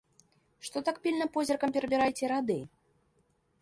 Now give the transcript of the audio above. Што так пільна позіркам перабіраеце рады?